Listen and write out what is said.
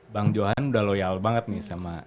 bang johan udah loyal banget nih sama